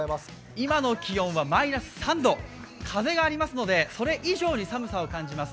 今の気温はマイナス３度、風がありますので、それ以上に寒さを感じます。